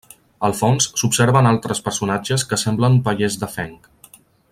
Al fons, s'observen altres personatges que semblen pallers de fenc.